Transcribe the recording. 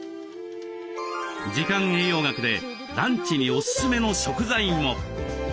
時間栄養学でランチにオススメの食材も。